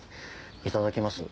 いただきます。